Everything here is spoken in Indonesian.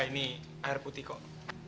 ini air putih kok